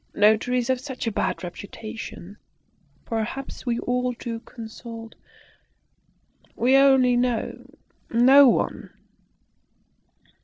Notaries have such a bad reputation. Perhaps we ought to consult we only know no one."